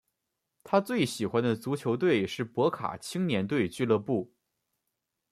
他最喜欢的足球队是博卡青年队俱乐部。